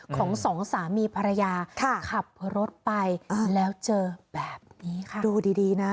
ของสองสามีภรรยาขับรถไปแล้วเจอแบบนี้ค่ะดูดีดีนะ